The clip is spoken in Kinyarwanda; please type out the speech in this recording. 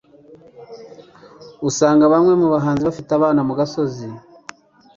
usanga bamwe mu bahanzi bafite abana mu gasozi